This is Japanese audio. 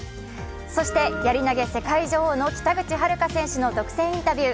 そして、やり投げ世界女王の北口榛花選手の独占インタビュー。